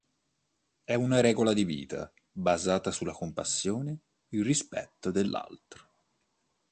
È una regola di vita, basata sulla compassione, il rispetto dell'altro.